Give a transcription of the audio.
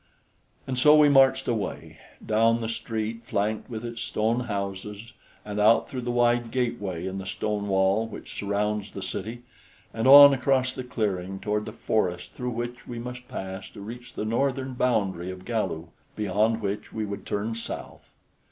And so we marched away, down the street flanked with its stone houses and out through the wide gateway in the stone wall which surrounds the city and on across the clearing toward the forest through which we must pass to reach the northern boundary of Galu, beyond which we would turn south.